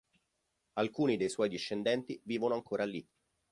Alcuni dei suoi discendenti vivono ancora lì.